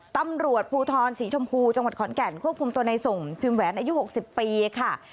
ตำรวจภูทรศรีชมพูจังหวัดขอนแก่นควบคุมตัวในส่งพิมพ์แหวนอายุ๖๐ปีค่ะ